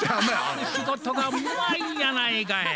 隠し事がうまいんやないかい。